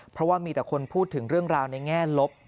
เพราะว่ามีแต่คนพูดถึงเรื่องราวในแง่ลบ